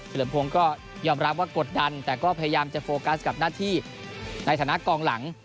เหลือมพงศ์ก็ยอมรับว่ากดดันแต่ก็พยายามจะโฟกัสกับหน้าที่ในฐานะกองหลัง